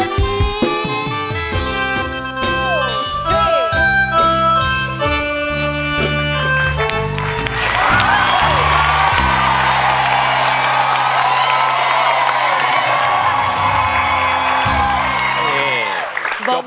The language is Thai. เบิ้งคงยังผ่านไป